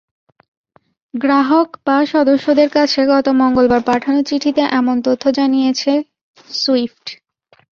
গ্রাহক বা সদস্যদের কাছে গত মঙ্গলবার পাঠানো চিঠিতে এমন তথ্য জানিয়েছে সুইফট।